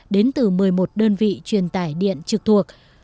đến từ một mươi một đơn vị truyền tải điện trực thuộc